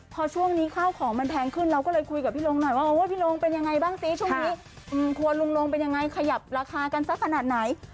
พอช่วงนี้ข้าวของมันแพงขึ้นเราก็เลยคุยกับพี่ลงหน่อยว่าพี่ลงเป็นยังไงบ้างสิช่วงนี้ครัวลุงลงเป็นยังไงขยับราคากันสักขนาดไหน